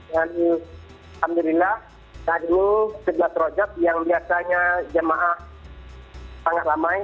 dan alhamdulillah saat ini sebelas rojak yang biasanya jemaah sangat ramai